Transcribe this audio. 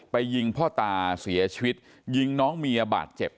ยิงพ่อตาเสียชีวิตยิงน้องเมียบาดเจ็บ